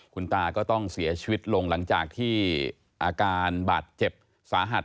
คุณตาก็ต้องเสียชีวิตลงหลังจากที่อาการบาดเจ็บสาหัส